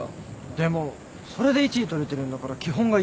でもそれで１位取れてるんだから基本が一番なんじゃ。